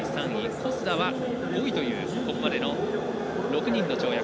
小須田は５位というここまでの６人の跳躍。